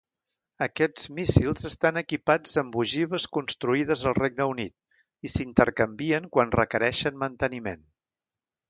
Aquests míssils estan equipats amb ogives construïdes al Regne Unit i s'intercanvien quan requereixen manteniment.